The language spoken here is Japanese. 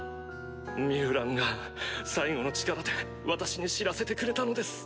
ミュウランが最後の力で私に知らせてくれたのです。